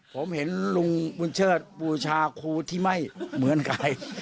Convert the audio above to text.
ผมเห็นลุงบุญเชิดบูชาครูที่ไม่เหมือนใคร